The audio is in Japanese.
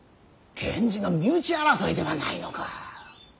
源氏の身内争いではないのか。